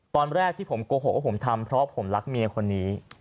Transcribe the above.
ตอนแรกที่ผมโกหกว่าผมทำเพราะผมรักเมียคนนี้